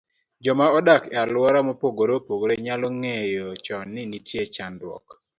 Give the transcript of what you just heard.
joma odak e alwora mopogore opogore nyalo ng'eyo chon ni nitie chandruok